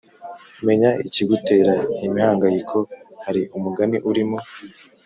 Menya ikigutera imihangayiko Hari umugani urimo